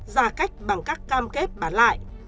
giả cách bằng các cam kép bán lại